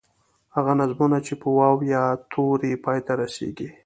هغه نظمونه چې په واو، یا تورو پای ته رسیږي.